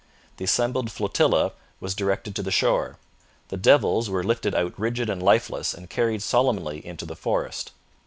The assembled flotilla was directed to the shore. The 'devils' were lifted out rigid and lifeless and carried solemnly into the forest.